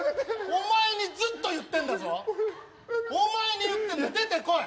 お前にずっと言ってんだぞお前に言ってんだ出てこい！